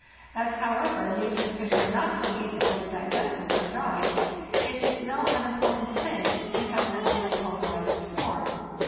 As, however, meat and fish are not so easily digested when dried, it is no unimportant thing to have them in a pulverized form.